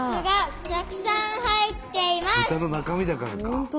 豚の中身だからか。